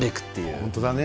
本当だね。